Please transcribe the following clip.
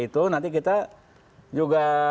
itu nanti kita juga